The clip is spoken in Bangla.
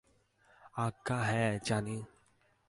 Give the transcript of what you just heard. আজ্ঞা হাঁ, জানি।